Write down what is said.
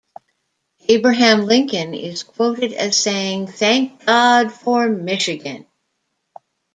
Abraham Lincoln is quoted as saying Thank God for Michigan!